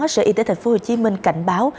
sở y tế thành phố hồ chí minh cảnh báo